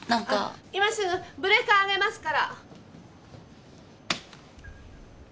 今すぐブレーカー上げますから。